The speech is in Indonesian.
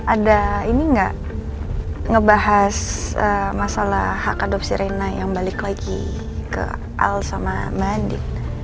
ada ini nggak ngebahas masalah hak adopsi rena yang balik lagi ke al sama medik